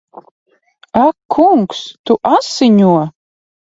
Ak kungs! Tu asiņo!